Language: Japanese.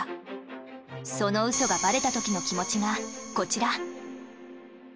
その嘘がバレた時の気持ちがこちら。